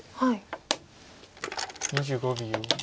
２５秒。